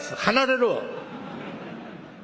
「離れろ！